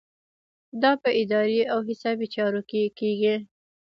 دا په اداري او حسابي چارو کې کیږي.